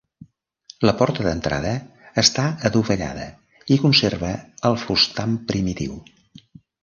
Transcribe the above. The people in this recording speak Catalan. La porta d'entrada està adovellada i conserva el fustam primitiu.